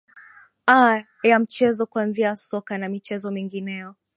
aa ya mchezo kuanzia soka na michezo mingineyo